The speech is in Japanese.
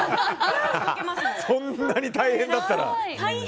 そんなに大変だったら。